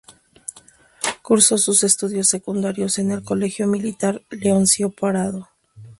Cursó sus estudios secundarios en el Colegio Militar Leoncio Prado.